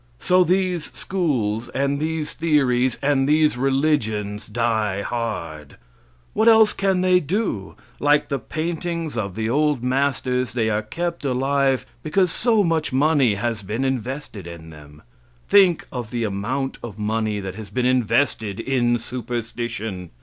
So these schools, and these theories, and these religions die hard. What else can they do? Like the paintings of the old masters, they are kept alive because so much money has been invested in them. Think of the amount of money that has been invested in superstition!